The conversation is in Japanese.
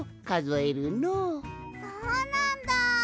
そうなんだ。